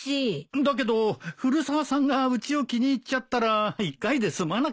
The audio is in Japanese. だけど古沢さんがうちを気に入っちゃったら１回で済まなくなるかも。